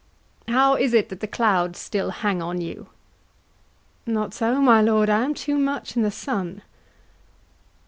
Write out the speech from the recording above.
KING. How is it that the clouds still hang on you? HAMLET. Not so, my lord, I am too much i' the sun.